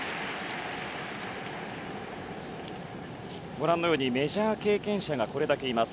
ご覧のようにメジャー経験者がこれだけいます。